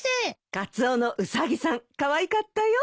カツオのウサギさんかわいかったよ。